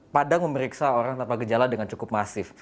padang memeriksa orang tanpa gejala dengan cukup masif